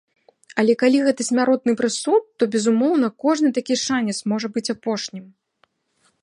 Але калі гэта смяротны прысуд, то, безумоўна, кожны такі шанец можа быць апошнім.